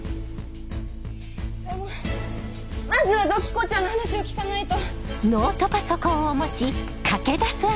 でもまずは土器子ちゃんの話を聞かないと。